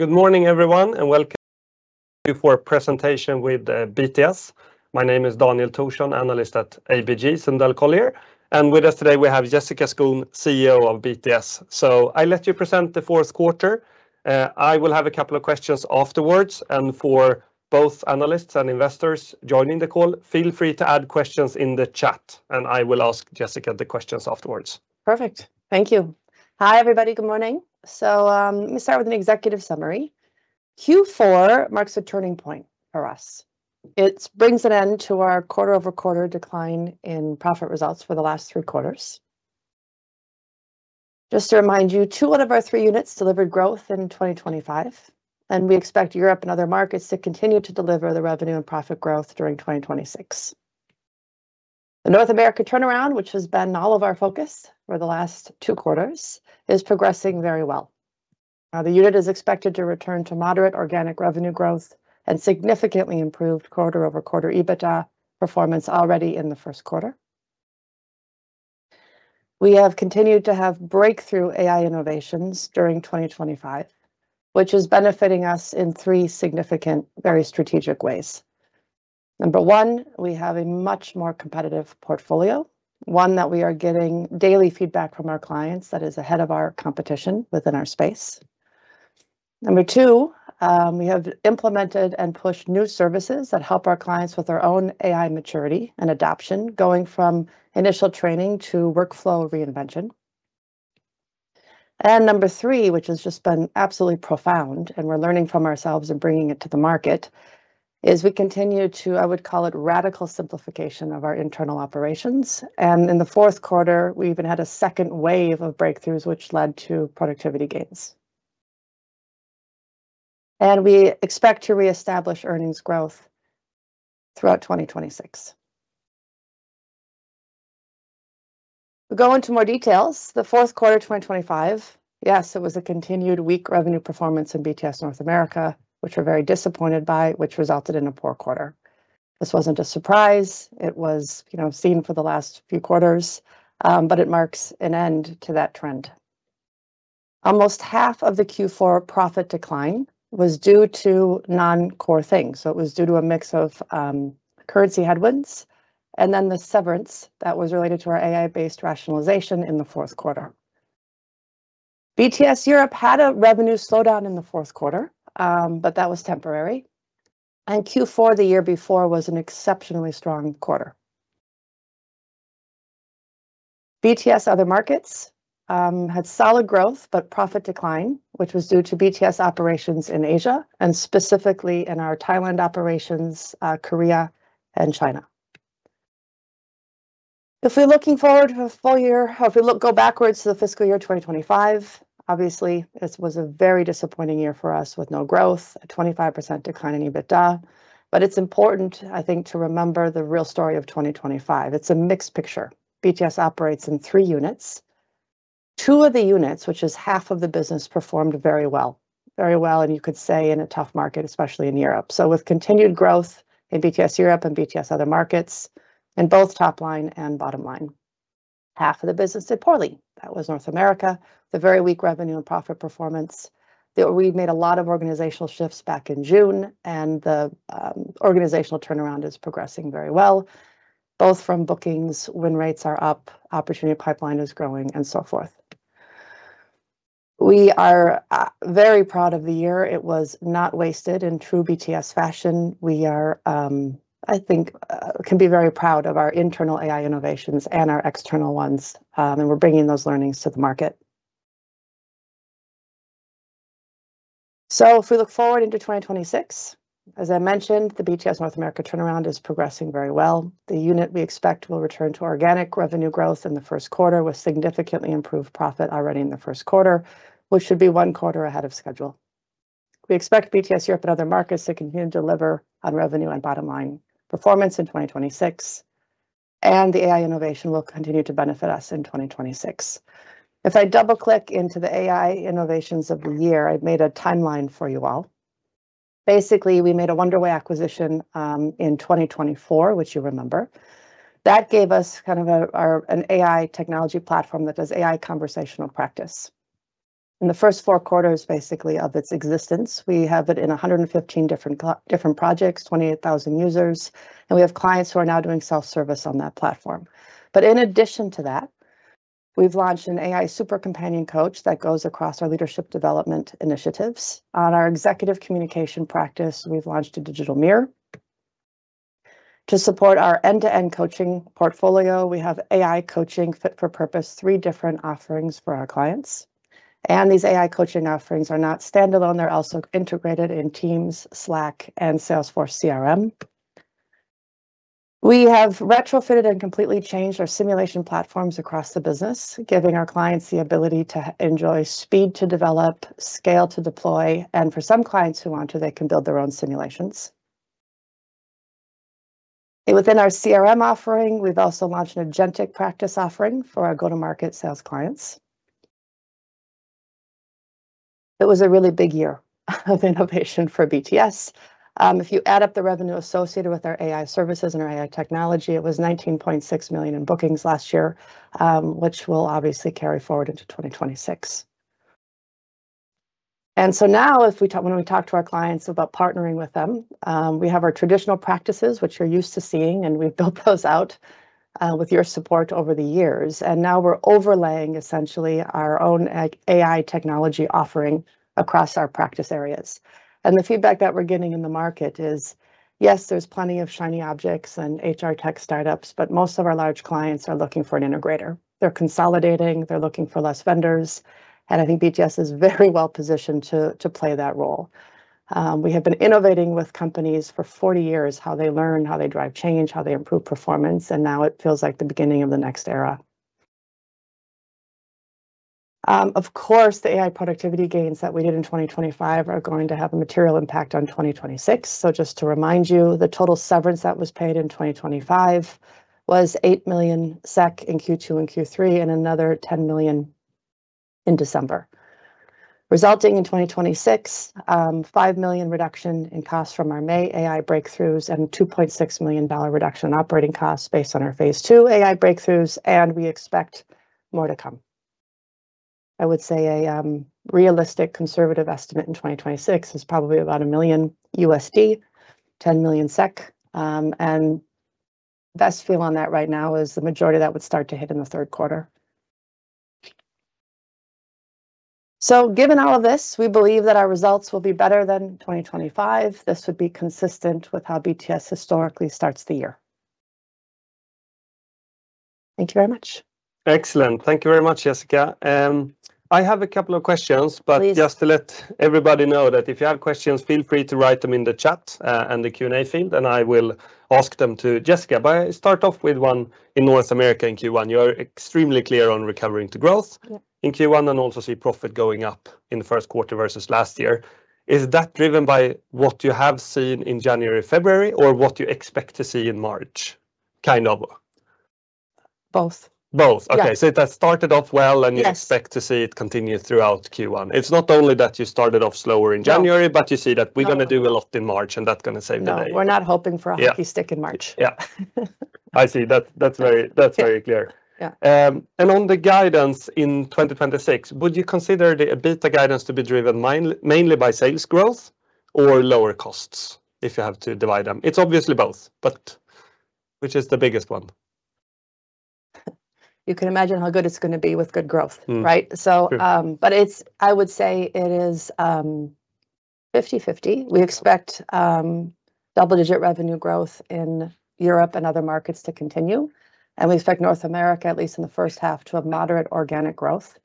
Good morning, everyone, and welcome to our presentation with BTS. My name is Daniel Thorsson, analyst at ABG Sundal Collier, and with us today, we have Jessica Skon, CEO of BTS. I let you present the fourth quarter. I will have a couple of questions afterwards, and for both analysts and investors joining the call, feel free to add questions in the chat, and I will ask Jessica the questions afterwards. Perfect. Thank you. Hi, everybody. Good morning. Let me start with an executive summary. Q4 marks a turning point for us. It brings an end to our quarter-over-quarter decline in profit results for the last three quarters. Just to remind you, two out of our three units delivered growth in 2025, and we expect Europe and Other Markets to continue to deliver the revenue and profit growth during 2026. The North America turnaround, which has been all of our focus for the last two quarters, is progressing very well. The unit is expected to return to moderate organic revenue growth and significantly improved quarter-over-quarter EBITDA performance already in the first quarter. We have continued to have breakthrough AI innovations during 2025, which is benefiting us in three significant, very strategic ways. Number one, we have a much more competitive portfolio, one that we are getting daily feedback from our clients that is ahead of our competition within our space. Number two, we have implemented and pushed new services that help our clients with their own AI maturity and adoption, going from initial training to workflow reinvention. And number three, which has just been absolutely profound, and we're learning from ourselves and bringing it to the market, is we continue to, I would call it, radical simplification of our internal operations, and in the fourth quarter, we even had a second wave of breakthroughs, which led to productivity gains. And we expect to reestablish earnings growth throughout 2026. We go into more details. The fourth quarter of 2025, yes, it was a continued weak revenue performance in BTS North America, which we're very disappointed by, which resulted in a poor quarter. This wasn't a surprise. It was, you know, seen for the last few quarters, but it marks an end to that trend. Almost half of the Q4 profit decline was due to non-core things. It was due to a mix of currency headwinds, and then the severance that was related to our AI-based rationalization in the fourth quarter. BTS Europe had a revenue slowdown in the fourth quarter, but that was temporary, and Q4 the year before was an exceptionally strong quarter. BTS Other Markets had solid growth, but profit decline, which was due to BTS operations in Asia and specifically in our Thailand operations, Korea and China. If we're looking forward to the full year, or if you look back to the fiscal year 2025, obviously, this was a very disappointing year for us, with no growth, a 25% decline in EBITDA. But it's important, I think, to remember the real story of 2025. It's a mixed picture. BTS operates in three units. Two of the units, which is half of the business, performed very well, very well, and you could say in a tough market, especially in Europe. So with continued growth in BTS Europe and BTS Other Markets in both top line and bottom line. Half of the business did poorly. That was North America, the very weak revenue and profit performance. We've made a lot of organizational shifts back in June, and the organizational turnaround is progressing very well, both from bookings, win rates are up, opportunity pipeline is growing, and so forth. We are very proud of the year. It was not wasted. In true BTS fashion, we are, I think, can be very proud of our internal AI innovations and our external ones, and we're bringing those learnings to the market. If we look forward into 2026, as I mentioned, the BTS North America turnaround is progressing very well. The unit, we expect, will return to organic revenue growth in the first quarter, with significantly improved profit already in the first quarter, which should be one quarter ahead of schedule. We expect BTS Europe and Other Markets to continue to deliver on revenue and bottom line performance in 2026, and the AI innovation will continue to benefit us in 2026. If I double-click into the AI innovations of the year, I've made a timeline for you all. Basically, we made a Wonderway acquisition in 2024, which you remember. That gave us kind of an AI technology platform that does AI conversational practice. In the first four quarters, basically of its existence, we have it in 115 different projects, 28,000 users, and we have clients who are now doing self-service on that platform. But in addition to that, we've launched an AI super companion coach that goes across our leadership development initiatives. On our executive communication practice, we've launched a Digital Mirror. To support our end-to-end coaching portfolio, we have AI coaching fit for purpose, three different offerings for our clients, and these AI coaching offerings are not standalone. They're also integrated in Teams, Slack, and Salesforce CRM. We have retrofitted and completely changed our simulation platforms across the business, giving our clients the ability to enjoy speed to develop, scale to deploy, and for some clients who want to, they can build their own simulations. And within our CRM offering, we've also launched an agentic practice offering for our go-to-market sales clients. It was a really big year of innovation for BTS. If you add up the revenue associated with our AI services and our AI technology, it was 19.6 million in bookings last year, which will obviously carry forward into 2026. When we talk to our clients about partnering with them, we have our traditional practices, which you're used to seeing, and we've built those out with your support over the years. Now we're overlaying essentially our own AI, AI technology offering across our practice areas. The feedback that we're getting in the market is, yes, there's plenty of shiny objects and HR tech startups, but most of our large clients are looking for an integrator. They're consolidating, they're looking for fewer vendors, and I think BTS is very well positioned to play that role. We have been innovating with companies for 40 years, how they learn, how they drive change, how they improve performance, and now it feels like the beginning of the next era. Of course, the AI productivity gains that we did in 2025 are going to have a material impact on 2026. So just to remind you, the total severance that was paid in 2025 was 8 million SEK in Q2 and Q3, and another 10 million in December. Resulting in 2026, five million reduction in costs from our May AI breakthroughs and $2.6 million reduction in operating costs based on our phase two AI breakthroughs, and we expect more to come. I would say realistic conservative estimate in 2026 is probably about $1 million, 10 million SEK. And best feel on that right now is the majority of that would start to hit in the third quarter. So given all of this, we believe that our results will be better than 2025. This would be consistent with how BTS historically starts the year. Thank you very much. Excellent. Thank you very much, Jessica. I have a couple of questions- Please. Just to let everybody know that if you have questions, feel free to write them in the chat and the Q&A field, and I will ask them to Jessica. I start off with one in North America in Q1. You're extremely clear on recovering to growth- Yeah in Q1, and also see profit going up in the first quarter versus last year. Is that driven by what you have seen in January, February, or what you expect to see in March? Kind of... Both. Both. Yeah. Okay, so it has started off well- Yes -and you expect to see it continue throughout Q1. It's not only that you started off slower in January- No. But you see that we're gonna do a lot in March, and that's gonna save the day. No, we're not hoping for- Yeah -a hockey stick in March. Yeah. I see. That's, that's very, that's very clear. Yeah. And on the guidance in 2026, would you consider the EBITDA guidance to be driven mainly by sales growth or lower costs, if you have to divide them? It's obviously both, but which is the biggest one? You can imagine how good it's gonna be with good growth, right? Mm. So, um, Sure. It's... I would say it is, 50/50. Okay. We expect double-digit revenue growth in Europe and Other Markets to continue, and we expect North America, at least in the first half, to have moderate organic growth.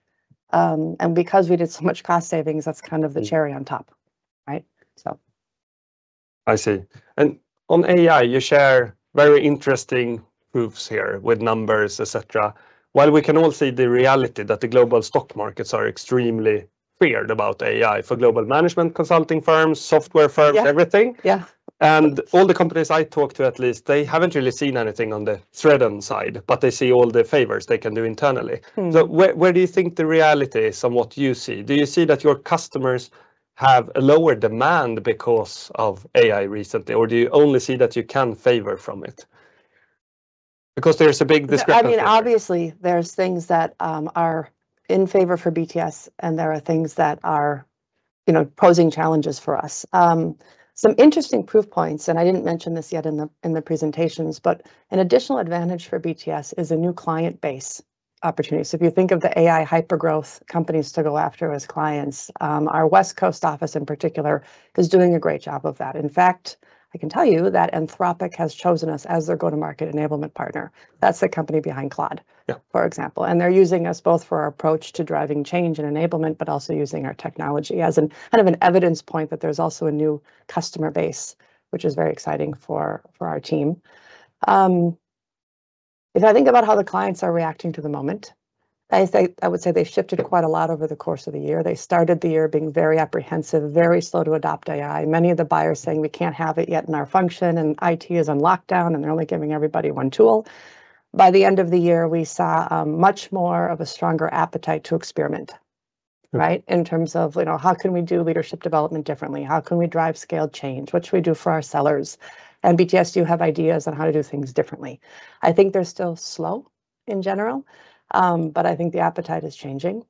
And because we did so much cost savings, that's kind of the cherry on top, right? So. I see. And on AI, you share very interesting proofs here with numbers, et cetera. While we can all see the reality that the global stock markets are extremely feared about AI for global management consulting firms, software firms- Yeah -everything. Yeah. All the companies I talk to, at least, they haven't really seen anything on the threat downside, but they see all the favors they can do internally. Mm. Where do you think the reality is on what you see? Do you see that your customers have a lower demand because of AI recently, or do you only see that you can favor from it? Because there's a big discrepancy. I mean, obviously, there's things that are in favor for BTS, and there are things that are, you know, posing challenges for us. Some interesting proof points, and I didn't mention this yet in the presentations, but an additional advantage for BTS is a new client base opportunity. If you think of the AI hypergrowth companies to go after as clients, our West Coast office in particular is doing a great job of that. In fact, I can tell you that Anthropic has chosen us as their go-to-market enablement partner. That's the company behind Claude- Yeah -for example, and they're using us both for our approach to driving change and enablement, but also using our technology as a kind of an evidence point that there's also a new customer base, which is very exciting for, for our team. If I think about how the clients are reacting to the moment, I say, I would say they've shifted quite a lot over the course of the year. They started the year being very apprehensive, very slow to adopt AI. Many of the buyers saying, "We can't have it yet in our function, and IT is on lockdown, and they're only giving everybody one tool." By the end of the year, we saw much more of a stronger appetite to experiment- Mm -right? In terms of, you know, how can we do leadership development differently? How can we drive scale change? What should we do for our sellers? BTS do have ideas on how to do things differently. I think they're still slow in general, but I think the appetite is changing.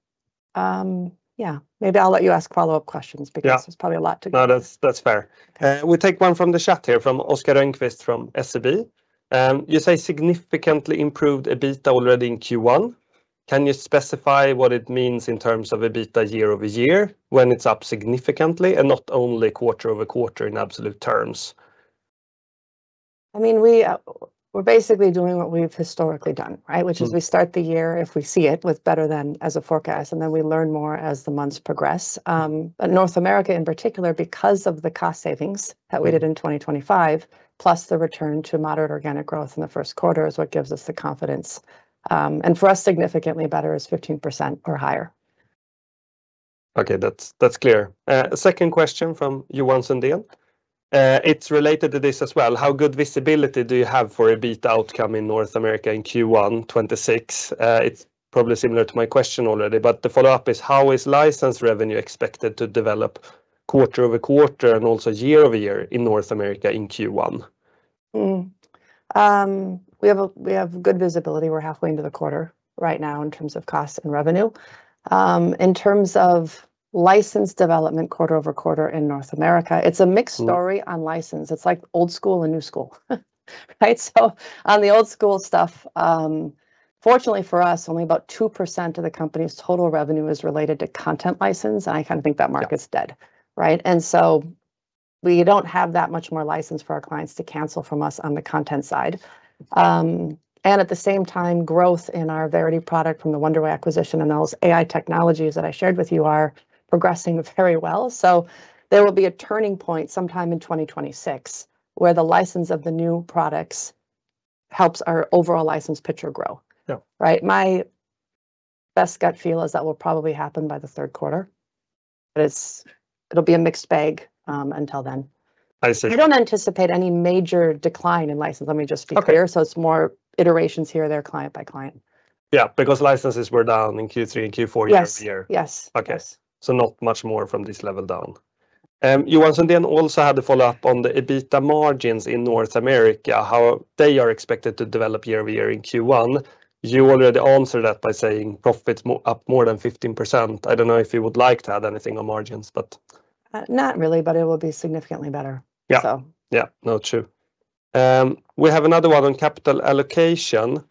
Yeah, maybe I'll let you ask follow-up questions- Yeah -because there's probably a lot to cover. No, that's, that's fair. We take one from the chat here, from Oscar Rönnkvist, from SEB. You say, "Significantly improved EBITDA already in Q1. Can you specify what it means in terms of EBITDA year-over-year, when it's up significantly and not only quarter-over-quarter in absolute terms? I mean, we, we're basically doing what we've historically done, right? Mm. Which is we start the year, if we see it, with better than as a forecast, and then we learn more as the months progress. But North America, in particular, because of the cost savings that we did in 2025, plus the return to moderate organic growth in the first quarter, is what gives us the confidence. And for us, significantly better is 15% or higher. Okay, that's clear. Second question from Johan Sundén. It's related to this as well: "How good visibility do you have for EBITDA outcome in North America in Q1 2026?" It's probably similar to my question already, but the follow-up is, "How is license revenue expected to develop quarter-over-quarter and also year-over-year in North America in Q1? We have good visibility. We're halfway into the quarter right now in terms of costs and revenue. In terms of license development, quarter-over-quarter in North America, it's a mixed story- Mm. on license. It's like old school and new school, right? So on the old school stuff, fortunately for us, only about 2% of the company's total revenue is related to content license, and I kind of think that market's- Yeah =dead, right? We don't have that much more license for our clients to cancel from us on the content side. At the same time, growth in our Verity product from the Wonderway acquisition and those AI technologies that I shared with you are progressing very well. There will be a turning point sometime in 2026, where the license of the new products helps our overall license picture grow. Yeah. Right? My best gut feel is that will probably happen by the third quarter, but it's--it'll be a mixed bag until then. I see. We don't anticipate any major decline in license. Let me just be clear. Okay. So it's more iterations here or there, client by client. Yeah, because licenses were down in Q3 and Q4 year-over-year. Yes. Yes. Okay. Yes. So not much more from this level down. Johan Sundén also had the follow-up on the EBITDA margins in North America, how they are expected to develop year-over-year in Q1. You already answered that by saying profits up more than 15%. I don't know if you would like to add anything on margins, but- Not really, but it will be significantly better. Yeah. So. Yeah. No, true. We have another one on capital allocation,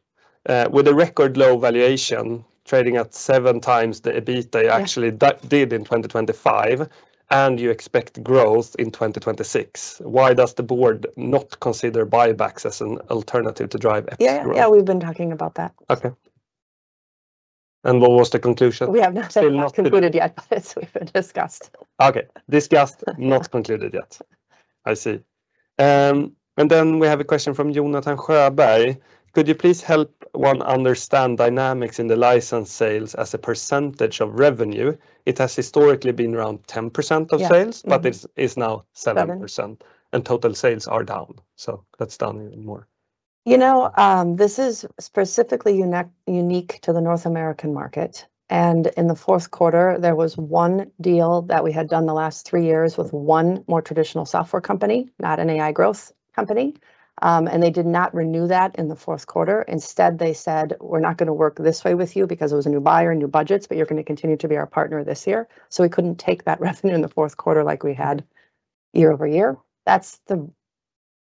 with a record low valuation, trading at 7x the EBITDA- Yeah -they actually did in 2025, and you expect growth in 2026. Why does the board not consider buybacks as an alternative to drive extra growth? Yeah, yeah, we've been talking about that. Okay. And what was the conclusion? We have not- Still not- -concluded yet. It's been discussed. Okay. Discussed- Yeah -not concluded yet. I see. And then we have a question from Jonathan Sjöberg: "Could you please help one understand dynamics in the license sales as a percentage of revenue? It has historically been around 10% of sales- Yeah. Mm-hmm -but it's now 7%. Seven. Total sales are down, so that's down even more. You know, this is specifically unique to the North American market, and in the fourth quarter, there was one deal that we had done the last three years with one more traditional software company, not an AI growth company. And they did not renew that in the fourth quarter. Instead, they said, "We're not gonna work this way with you," because it was a new buyer and new budgets, "But you're gonna continue to be our partner this year." So we couldn't take that revenue in the fourth quarter like we had year-over-year. That's the,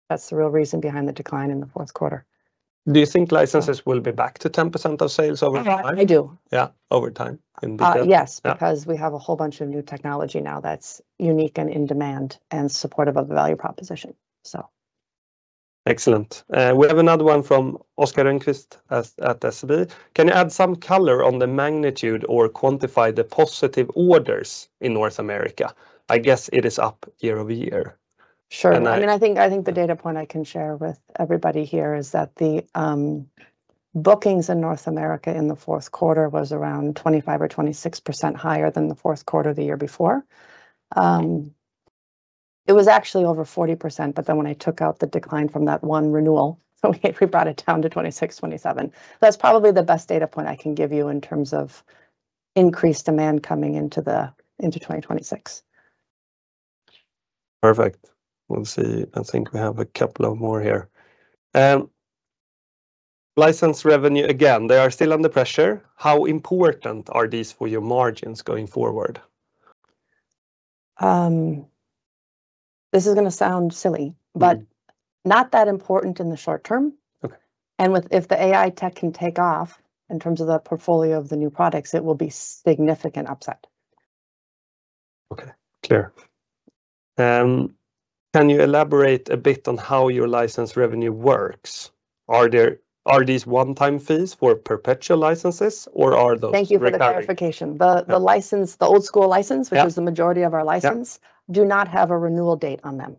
that's the real reason behind the decline in the fourth quarter. Do you think licenses will be back to 10% of sales over time? I do. Yeah, over time, in detail? Uh, yes. Yeah. Because we have a whole bunch of new technology now that's unique and in demand and supportive of the value proposition, so... Excellent. We have another one from Oscar Rönnkvist at SEB: "Can you add some color on the magnitude or quantify the positive orders in North America? I guess it is up year-over-year. Sure. And I- I mean, I think, I think the data point I can share with everybody here is that the bookings in North America in the fourth quarter was around 25 or 26% higher than the fourth quarter the year before. It was actually over 40%, but then when I took out the decline from that one renewal, we, we brought it down to 26, 27. That's probably the best data point I can give you in terms of increased demand coming into the, into 2026. Perfect. We'll see. I think we have a couple of more here. License revenue, again, they are still under pressure. How important are these for your margins going forward? This is gonna sound silly but not that important in the short term. Okay. If the AI tech can take off, in terms of the portfolio of the new products, it will be significant upside. Okay, clear. Can you elaborate a bit on how your license revenue works? Are these one-time fees for perpetual licenses, or are those recurring? Thank you for the clarification. Yeah. the license, the old school license- Yeah -which is the majority of our license- Yeah -do not have a renewal date on them-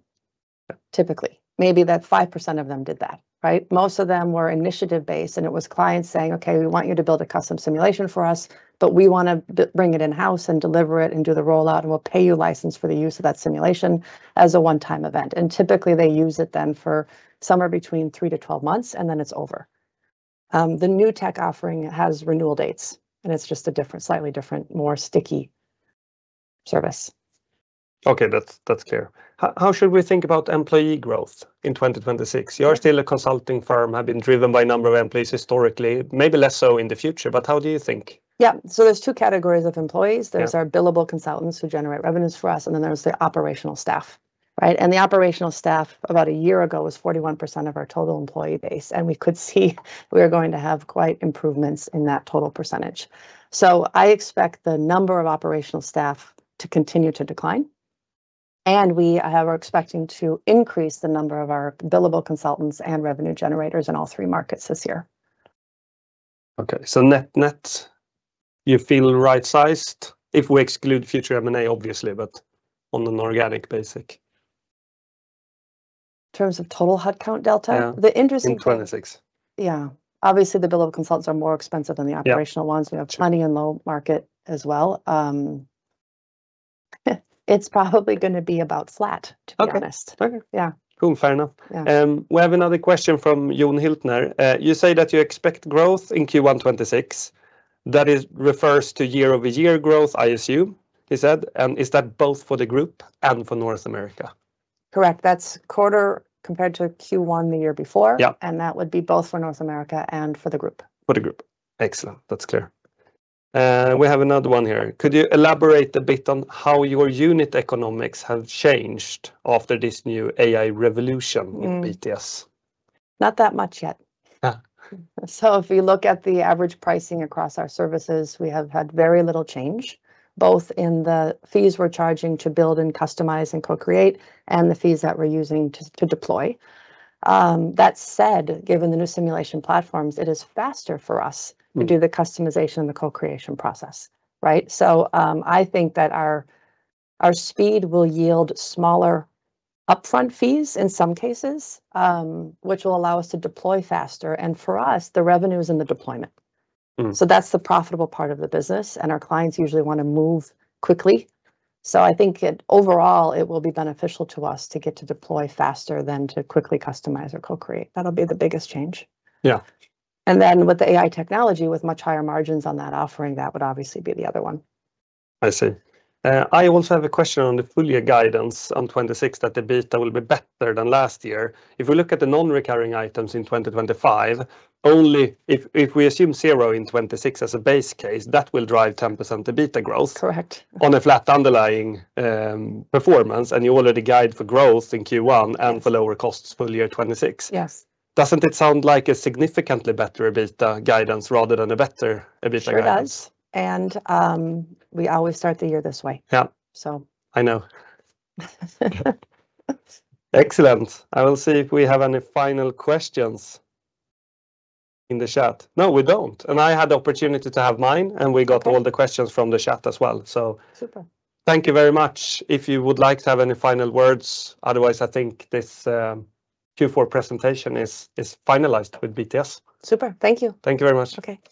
Yeah -typically. Maybe that 5% of them did that, right? Most of them were initiative-based, and it was clients saying, "Okay, we want you to build a custom simulation for us, but we wanna bring it in-house and deliver it and do the rollout, and we'll pay you license for the use of that simulation as a one-time event." And typically they use it then for somewhere between 3-12 months, and then it's over. The new tech offering has renewal dates, and it's just a different, slightly different, more sticky service. Okay, that's clear. How should we think about employee growth in 2026? Yeah. You're still a consulting firm, have been driven by number of employees historically, maybe less so in the future, but how do you think? Yeah. So there's two categories of employees. Yeah. There's our billable consultants, who generate revenues for us, and then there's the operational staff, right? And the operational staff, about a year ago, was 41% of our total employee base, and we could see we are going to have quite improvements in that total percentage. So I expect the number of operational staff to continue to decline, and we, we're expecting to increase the number of our billable consultants and revenue generators in all three markets this year. Okay, so net-net, you feel right-sized if we exclude future M&A, obviously, but on an organic basis. In terms of total headcount delta? Yeah. The interesting thing- In 2026. Yeah. Obviously, the billable consultants are more expensive than the operational ones. Yeah. We have plenty in low market as well. It's probably gonna be about flat, to be honest. Okay. Okay. Yeah. Cool, fair enough. Yeah. We have another question from Jon Hyltner. "You say that you expect growth in Q1 2026. That refers to year-over-year growth, I assume, you said, and is that both for the group and for North America? Correct. That's quarter compared to Q1 the year before. Yeah. That would be both for North America and for the group. For the group. Excellent. That's clear. We have another one here. "Could you elaborate a bit on how your unit economics have changed after this new AI revolution in BTS? Not that much yet. Yeah. So if you look at the average pricing across our services, we have had very little change, both in the fees we're charging to build, and customize, and co-create, and the fees that we're using to deploy. That said, given the new simulation platforms, it is faster for us- Mm. -to do the customization and the co-creation process, right? So, I think that our, our speed will yield smaller upfront fees in some cases, which will allow us to deploy faster, and for us, the revenue is in the deployment. Mm. So that's the profitable part of the business, and our clients usually wanna move quickly. So I think... Overall, it will be beneficial to us to get to deploy faster than to quickly customize or co-create. That'll be the biggest change. Yeah. And then with the AI technology, with much higher margins on that offering, that would obviously be the other one. I see. I also have a question on the full-year guidance on 2026, that EBITDA will be better than last year. If we look at the non-recurring items in 2025, only if, if we assume zero in 2026 as a base case, that will drive 10% EBITDA growth- Correct. -on a flat underlying, performance, and you already guide for growth in Q1- Yes. and for lower costs full year 2026. Yes. Doesn't it sound like a significantly better EBITDA guidance rather than a better EBITDA guidance? Sure does, and, we always start the year this way. Yeah. So. I know. Excellent. I will see if we have any final questions in the chat. No, we don't, and I had the opportunity to have mine, and we got- Okay. -all the questions from the chat as well. So Super. Thank you very much. If you would like to have any final words, otherwise, I think this Q4 presentation is finalized with BTS. Super. Thank you. Thank you very much. Okay.